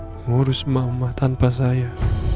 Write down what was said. mengurus mama tanpa saya